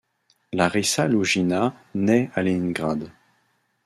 Larissa Loujina naît à Léningrad.